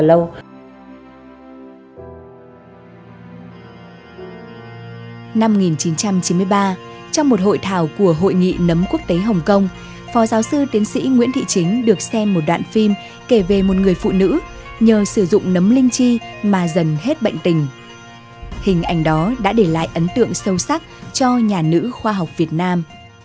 năm một nghìn chín trăm chín mươi ba trong một hội thảo của hội nghị nấm quốc tế hồng kông phó giáo sư tiến sĩ nguyễn thị chính được xem một đoạn phim kể về một người phụ nữ nhờ sử dụng nấm linh chi mà dần hết bệnh tình hình ảnh đó đã để lại ấn tượng sâu sắc cho nhà nữ khoa học việt nam